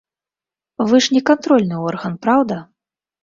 Вы ж не кантрольны орган, праўда?